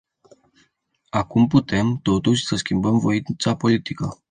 Acum putem, totuși, să schimbăm voința politică.